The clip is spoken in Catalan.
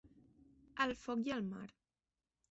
El foc i el mar.